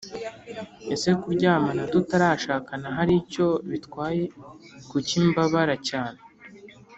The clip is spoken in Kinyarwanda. Ese kuryamana tutarashakana hari icyo bitwaye kuki mbabara cyane